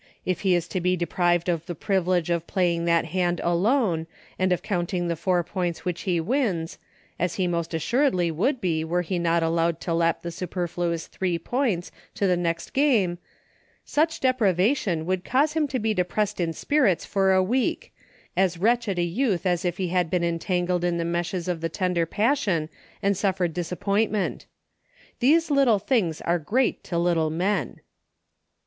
If he is to be deprived of the privilege of playing 62 EUCHRE. that hand Alone, and of counting the four points which he wins, as he most assuredly would be were he not allowed to Lap the superfluous three points to the next game such deprivation would cause him to be de pressed in spirits for a week — as wretched a youth as if he had been entangled in the meshes of the tender passion and suffered dis. appointment. " These little things are great to little men."